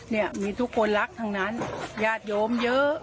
เนี่ยมีทุกคนรักทั้งนั้นญาติโยมเยอะ